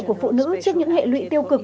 của phụ nữ trước những hệ lụy tiêu cực